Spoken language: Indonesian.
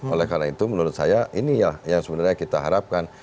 oleh karena itu menurut saya ini yang sebenarnya kita harapkan